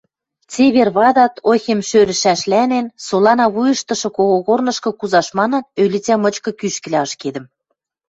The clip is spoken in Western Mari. Цевер вадат, ойхем шӧрӹшӓшланен, солана вуйыштышы когогорнышкы кузаш манын, ӧлицӓ мычкы кӱшкӹлӓ ашкедӹм.